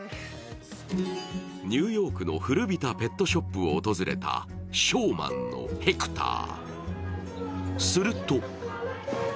ニューヨークの古びたペットショップを訪れたショーマンのヘクター。